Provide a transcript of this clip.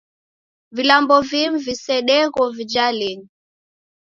Vilambo vimu visedegho vijalenyi.